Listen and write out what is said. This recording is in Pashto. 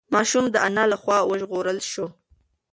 ماشوم د انا له خوا وژغورل شو.